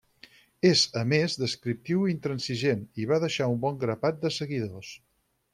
És a més prescriptiu i intransigent, i va deixar un bon grapat de seguidors.